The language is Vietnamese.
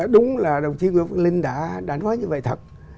đúng là đồng chí nguyễn văn linh đã nói như vậy thật